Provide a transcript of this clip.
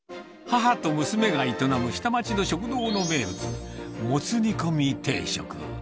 母と娘が営む下町の食堂の名物、モツ煮込み定食。